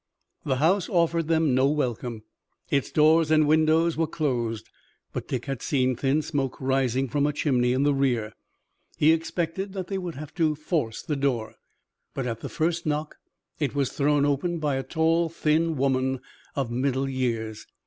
The house offered them no welcome. Its doors and windows were closed, but Dick had seen thin smoke rising from a chimney in the rear. He expected that they would have to force the door, but at the first knock it was thrown open by a tall, thin woman of middle years.